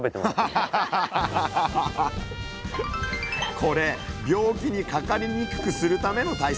これ病気にかかりにくくするための対策。